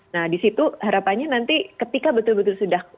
nah disitu harapannya nanti ketika betul betul sudah